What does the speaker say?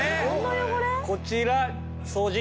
こちら掃除